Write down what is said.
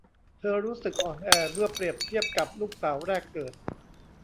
เธอรู้สึกอ่อนแอเมื่อเปรียบเทียบกับลูกสาวแรกเกิด